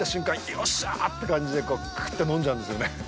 よっしゃーって感じでクーっと飲んじゃうんですよね。